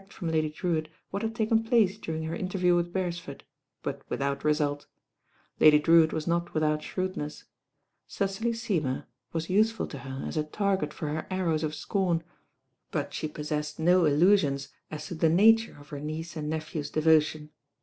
from Lady Drewitt what had taken place during her interview with Bercsford; but without result 110 THE RAIN GIRL Lady Drewitt was not without shrewdness. Cecily Seymour was useful to her as a target for her arrows of scorn; but she possessed no illusions as to the na ture of her niece and nephew's devotion.